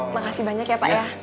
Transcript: makasih banyak ya pak ya